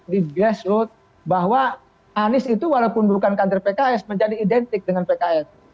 di gesrut bahwa anies itu walaupun bukan kader pks menjadi identik dengan pks